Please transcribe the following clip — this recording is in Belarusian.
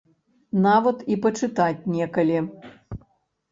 Нават і пачытаць некалі.